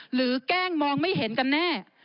แกล้งมองไม่เห็นกันแน่